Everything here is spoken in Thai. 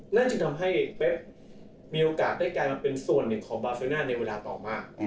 นั่นจึงทำให้เป๊บมีโอกาสได้กลายมาเป็นส่วนหนึ่งของบาเซน่าในเวลาต่อมา